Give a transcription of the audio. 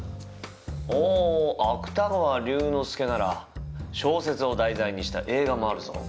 お芥川龍之介なら小説を題材にした映画もあるぞ。